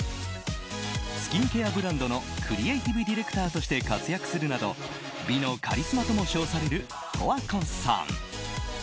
スキンケアブランドのクリエイティブディレクターとして活躍するなど美のカリスマとも称される十和子さん。